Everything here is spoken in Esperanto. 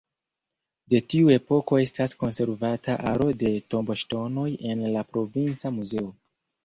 De tiu epoko estas konservata aro de tomboŝtonoj en la Provinca Muzeo.